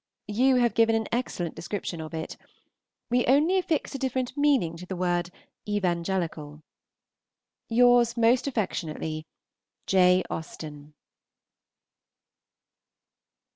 You have given an excellent description of it. We only affix a different meaning to the word evangelical. Yours most affectionately, J. AUSTEN.